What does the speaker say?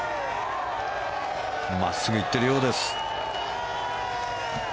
真っすぐ行っているようです。